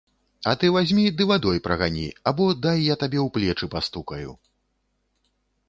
А ты вазьмі ды вадой прагані, або дай я табе ў плечы пастукаю.